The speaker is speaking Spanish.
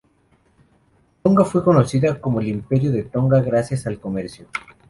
Tonga fue conocida como el Imperio de Tonga gracias al comercio.